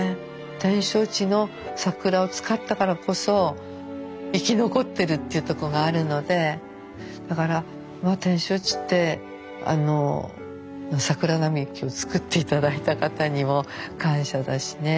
展勝地の桜を使ったからこそ生き残ってるっていうとこがあるのでだから展勝地って桜並木を作って頂いた方にも感謝だしね。